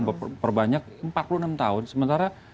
sementara kita punya lagu yang berperbanyak empat puluh enam tahun sementara